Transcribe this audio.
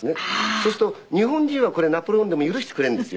そうすると日本人はこれナポレオンでも許してくれるんですよ。